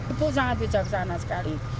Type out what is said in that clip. ibu sangat bijaksana sekali